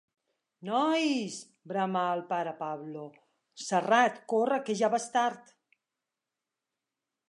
Nooois! —bramà el pare Pablo— Serrat, corre que ja vas tard!